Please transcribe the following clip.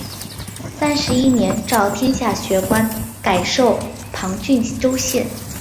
三十一年诏天下学官改授旁郡州县。